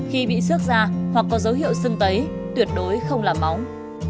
khi bị xước da hoặc có dấu hiệu sưng tấy tuyệt đối không làm móng